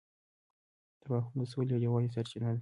تفاهم د سولې او یووالي سرچینه ده.